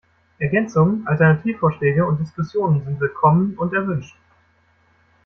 Ergänzungen, Alternativvorschläge und Diskussionen sind willkommen und erwünscht.